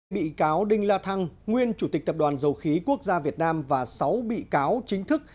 bị cáo đinh la thăng nguyên chủ tịch tập đoàn dầu khí quốc gia việt nam và sáu bị cáo chính thức